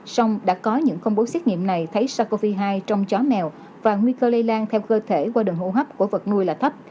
sông đã có những công bố xét nghiệm này thấy sars cov hai trong chó mèo và nguy cơ lây lan theo cơ thể qua đường hô hấp của vật nuôi là thấp